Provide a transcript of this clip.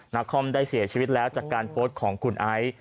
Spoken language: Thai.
คอมได้เสียชีวิตแล้วจากการโพสต์ของคุณไอซ์